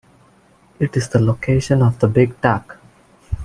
It is the location of the Big Duck.